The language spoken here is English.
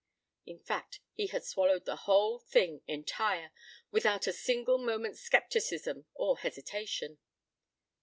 In fact, he had swallowed the whole thing entire, without a single moment's scepticism or hesitation.